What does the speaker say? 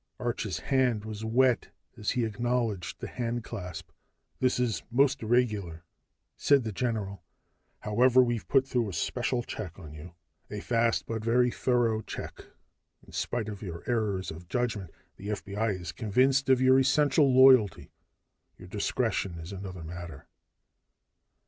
Arch's hand was wet as he acknowledged the handclasp. "This is most irregular," said the general. "However, we've put through a special check on you. A fast but very thorough check. In spite of your errors of judgment, the FBI is convinced of your essential loyalty. Your discretion is another matter."